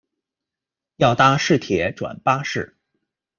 要搭市铁转巴士